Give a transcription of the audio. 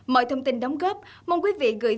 một lần xin cảm ơn ông